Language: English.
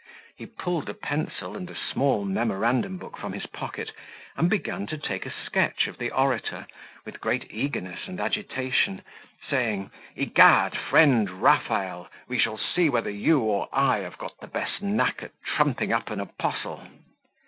he pulled a pencil and a small memorandum book from his pocket, and began to take a sketch of the orator, with great eagerness and agitation, saying "Egad! friend Raphael, we shall see whether you or I have got the best knack at trumping up an apostle."